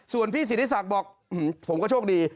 ส่วนพี่สิทธิศักดิ์บอกผมก็โชคดี